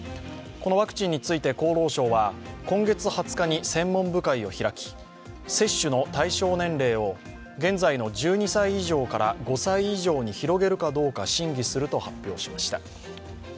このワクチンについて厚労省は、今月２０日に専門部会を開き、接種の対象年齢を現在の１２歳以上から５歳以上に広げるかどうか審議すると発表しました。